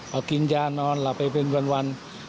เอากินยานอนหลับไปเป็นวัน